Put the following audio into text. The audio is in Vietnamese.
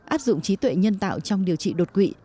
áp dụng trí tuệ nhân tạo trong điều trị đột quỵ